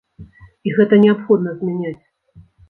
І гэта неабходна змяняць.